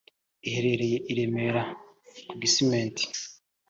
iherereye i Remera ku Gisementi